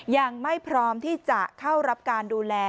ยังไม่พร้อมที่จะเข้ารับการดูแล